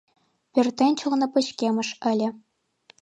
Пӧртӧнчылнӧ пычкемыш ыле.